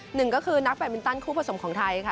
หนึ่งก็คือนักแบตมินตันคู่ผสมของไทยค่ะ